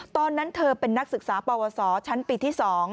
ตอนนั้นเธอเป็นนักศึกษาปวสชั้นปีที่๒